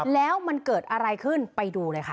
แล้วมันเกิดอะไรขึ้นไปดูเลยค่ะ